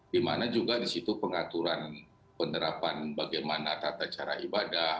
dimana juga di situ pengaturan penerapan bagaimana tata cara ibadah